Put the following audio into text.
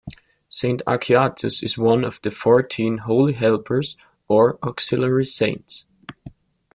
Saint Achatius is one of the Fourteen Holy Helpers or Auxiliary Saints.